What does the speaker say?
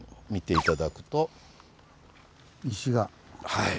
はい。